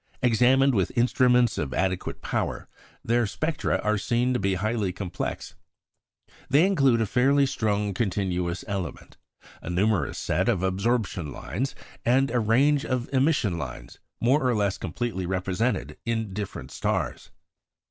Examined with instruments of adequate power, their spectra are seen to be highly complex. They include a fairly strong continuous element, a numerous set of absorption lines, and a range of emission lines, more or less completely represented in different stars.